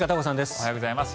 おはようございます。